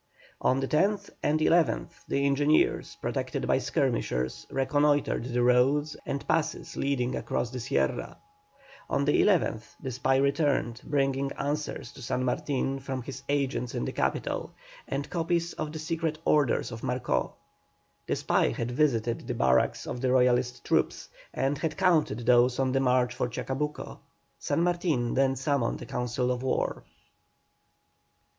On the 10th and 11th the engineers, protected by skirmishers, reconnoitred the roads and passes leading across the Sierra. On the 11th the spy returned, bringing answers to San Martin from his agents in the capital, and copies of the secret orders of Marcó. The spy had visited the barracks of the Royalist troops, and had counted those on the march for Chacabuco. San Martin then summoned a council of war.